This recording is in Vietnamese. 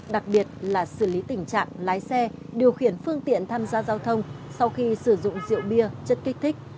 đặc biệt là xử lý tình trạng lái xe điều khiển phương tiện tham gia giao thông sau khi sử dụng rượu bia chất kích thích